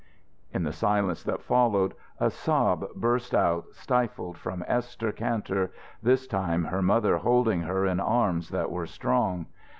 In the silence that followed, a sob burst out stifled from Esther Kantor, this time her mother holding her in arms that were strong.